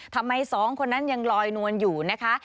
ทำไมสองคนนั้นยังลอยนวลอยู่นะคะ